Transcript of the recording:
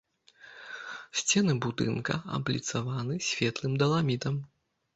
Сцены будынка абліцаваны светлым даламітам.